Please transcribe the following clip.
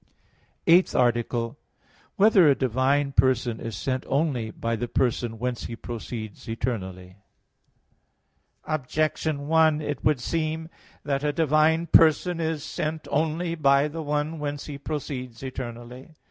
_______________________ EIGHTH ARTICLE [I, Q. 43, Art. 8] Whether a Divine Person Is Sent Only by the Person Whence He Proceeds Eternally? Objection 1: It would seem that a divine person is sent only by the one whence He proceeds eternally.